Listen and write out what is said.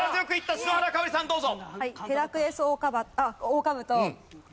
篠原かをりさんどうぞ。